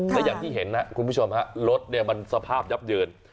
และอย่างที่เห็นนะครับคุณผู้ชมฮะรถเนี่ยมันสภาพยับเยิน